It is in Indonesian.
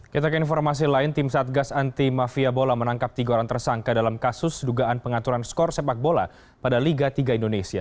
kita ke informasi lain tim satgas anti mafia bola menangkap tiga orang tersangka dalam kasus dugaan pengaturan skor sepak bola pada liga tiga indonesia